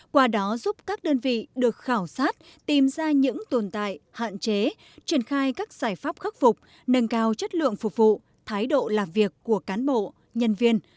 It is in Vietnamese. qua đó giúp các đơn vị được khảo sát tìm ra những tồn tại hạn chế triển khai các giải pháp khắc phục nâng cao chất lượng phục vụ thái độ làm việc của cán bộ nhân viên